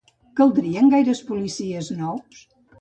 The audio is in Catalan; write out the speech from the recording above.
Caldrien gaires policies nous?